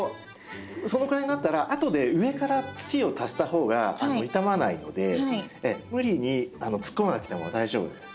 そのくらいになったら後で上から土を足した方が傷まないので無理に突っ込まなくても大丈夫です。